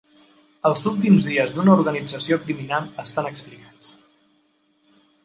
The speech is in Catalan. Els últims dies d'una organització criminal estan explicats.